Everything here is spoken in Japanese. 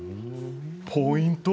ポイント